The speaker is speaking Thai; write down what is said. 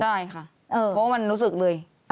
ใช่ค่ะเพราะว่ามันรู้สึกเลย